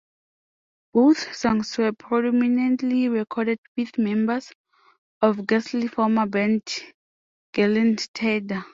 Both songs were predominantly recorded with members of Gessle's former band Gyllene Tider.